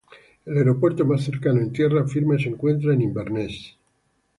El aeropuerto más cercano en tierra firme se encuentra en Inverness.